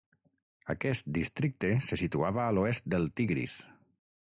Aquest districte se situava a l'oest del Tigris.